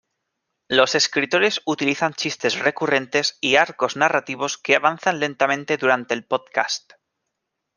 Los escritores utilizan chistes recurrentes y arcos narrativos que avanzan lentamente durante el podcast.